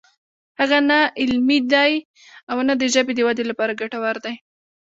هغه نه علمي دی او نه هم د ژبې د ودې لپاره ګټور دی